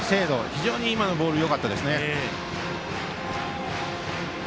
非常に今のボールよかったですね。